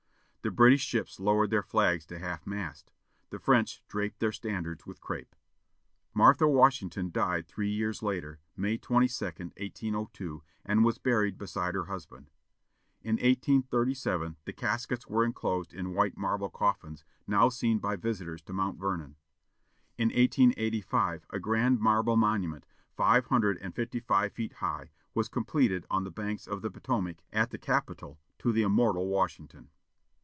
The British ships lowered their flags to half mast. The French draped their standards with crape. Martha Washington died three years later, May 22, 1802, and was buried beside her husband. In 1837, the caskets were enclosed in white marble coffins, now seen by visitors to Mount Vernon. In 1885 a grand marble monument, five hundred and fifty five feet high, was completed on the banks of the Potomac, at the capital, to the immortal Washington.